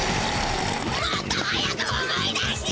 もっと早く思い出して！